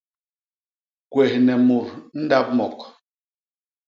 Kwéhne mut ndap mok.